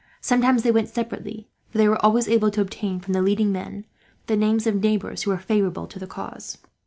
Sometimes they went separately, for they were always able to obtain, from the leading men, the names of neighbours who were favourable to the cause.